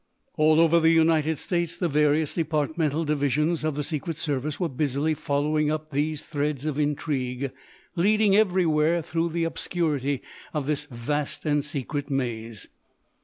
All over the United States the various departmental divisions of the Secret Service were busily following up these threads of intrigue leading everywhere through the obscurity of this vast and secret maze.